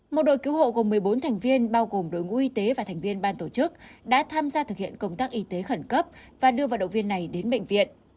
một đội cứu hộ gồm một mươi bốn thành viên bao gồm đội ngũ y tế và thành viên ban tổ chức đã tham gia thực hiện công tác y tế khẩn cấp và đưa vận động viên này đến bệnh viện